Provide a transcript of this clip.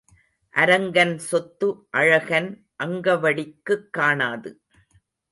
அரங்கன் சொத்து அழகன் அங்கவடிக்குக் காணாது.